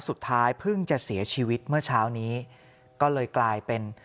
สุดท้ายเพิ่งจะเสียชีวิตเมื่อเช้านี้ก็เลยกลายเป็น